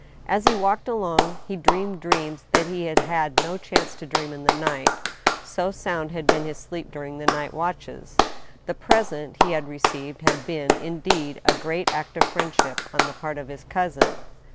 As he walked along he dreamed dreams that he had had no chance to dream in the night, so sound had been his sleep during the night watches. The present he had received had been, indeed, a great act of friendship on the part of his cousin.